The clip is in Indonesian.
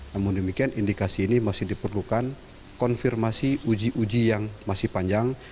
namun demikian indikasi ini masih diperlukan konfirmasi uji uji yang masih panjang